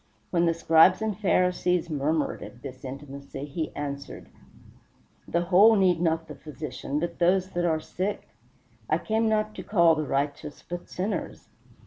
When the Scribes and Pharisees murmured at this intimacy, he answered, "The whole need not the Physician, but those that are sick; I came not to call the righteous, but sinners."